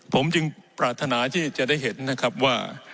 ผมจึงปรารถนาที่จะได้เห็นนะครับว่า